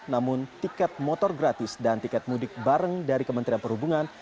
namun tiket motor gratis dan tiket mudik bareng dari kementerian perhubungan